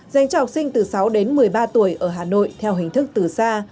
dành cho học sinh từ sáu đến một mươi ba tuổi ở hà nội theo hình thức từ xa